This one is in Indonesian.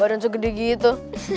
badan segede gitu